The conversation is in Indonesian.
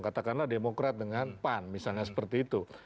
katakanlah demokrat dengan pan misalnya seperti itu